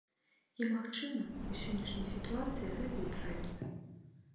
І магчыма, у сённяшняй сітуацыі гэта і правільна.